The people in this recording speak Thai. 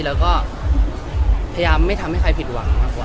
แล้วก็พยายามไม่ทำให้ใครผิดหวังมากกว่า